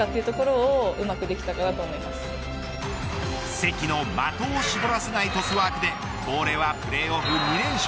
関の的を絞らせないトスワークで東レはプレーオフに連勝。